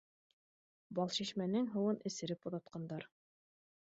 Балшишмәнең һыуын эсереп оҙатҡандар